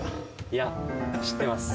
いや知ってます